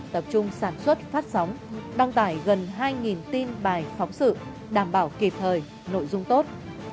tập trung sản xuất phát sóng đăng tải gần hai tin bài phóng sự đảm bảo kịp thời nội dung tốt